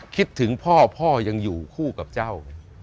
คิดถึงพ่อพ่อยังอยู่คู่กับเจ้า